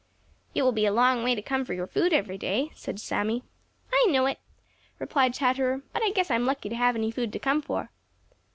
"It will be a long way to come for your food every day," said Sammy. "I know it," replied Chatterer, "but I guess I'm lucky to have any food to come for."